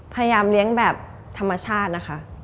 พยายามเลี้ยงแบบธรรมชาตินะคะ